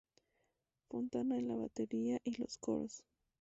Fontana en la batería y los coros.